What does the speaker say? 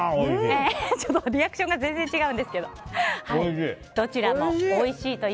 こちらはああ、おいしい。